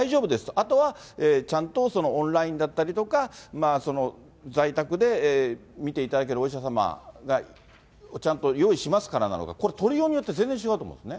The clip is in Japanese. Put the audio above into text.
あとは、ちゃんとオンラインだったりとか、在宅で診ていただけるお医者様をちゃんと用意しますからなのか、これ、取りようによって全然違うと思うんですね。